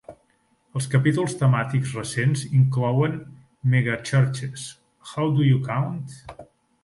Els capítols temàtics recents inclouen Megachurches: How do you Count?